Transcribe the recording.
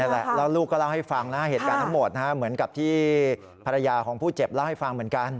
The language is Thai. แล้วลูกก็เล่าให้ฟังนะเหตุการณ์ทั้งหมดเหมือนกับที่ภรรยาของผู้เจ็บเล่าให้ฟังเหมือนกัน